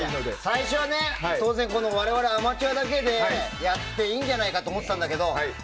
最初は、当然我々アマチュアだけでやってもいいんじゃないかと思ってたんだけどでも、